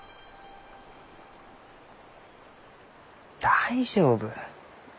大丈夫。